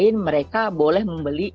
jadi mereka boleh membeli